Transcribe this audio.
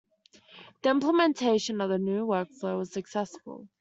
The implementation of the new workflow was successful.